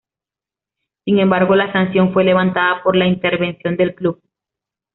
Sin embargo la sanción fue levantada por la intervención del club.